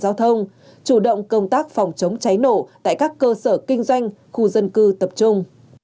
giao thông chủ động công tác phòng chống cháy nổ tại các cơ sở kinh doanh khu dân cư tập trung